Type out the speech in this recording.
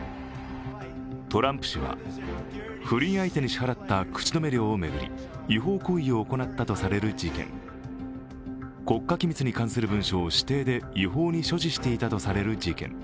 トランプ氏は不倫相手に支払った口止め料を巡り違法行為を行ったとされる事件国家機密に関する文書を私邸で違法に所持していたとされる事件